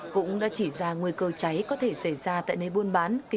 cũng đã chỉ ra nguy cơ cháy có thể xảy ra tại nơi buôn bán